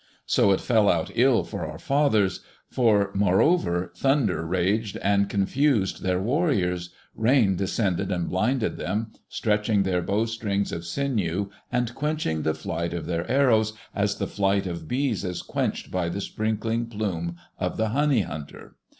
So it fell out ill for our fathers. For, moreover, thunder raged and confused their warriors, rain descended and blinded them, stretching their bow strings of sinew and quenching the flight of their arrows as the flight of bees is quenched by the sprinkling plume of the honey hunter.